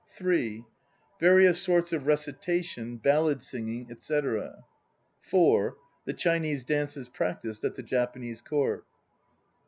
(3) Various sorts of recitation, ballad singing, etc. (4) The Chinese dances practised at the Japanese Court.